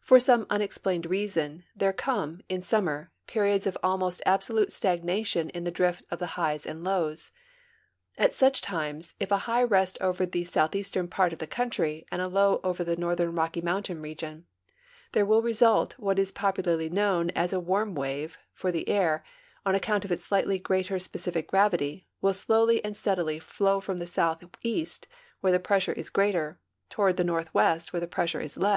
For some unexplained n^ason there come, in summer, periods of almost absolute stagnation in the drift of the highs and lows. At such times if a high rest over the southeastern part of the country and a low over tlie northern Rocky Mountain region, there will result what is popularly known as a warm wave, for the air, on account of its sligiitly greater si)ecific gravity, will slowly and steadily flow from the southeast, where the |)r(.'ssure is greater, toward the northwest, where the pressure is le.